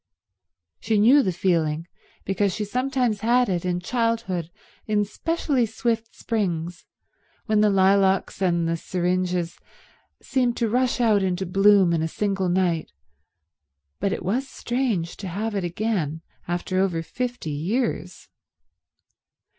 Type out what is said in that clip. She knew the feeling, because she had sometimes had it in childhood in specially swift springs, when the lilacs and the syringes seemed to rush out into blossom in a single night, but it was strange to have it again after over fifty years.